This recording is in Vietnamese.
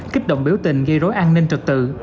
kích động biểu tình gây rối an ninh trật tự